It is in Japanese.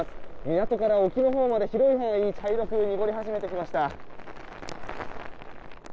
港から沖のほうまで広い範囲茶色く濁り始めてきました。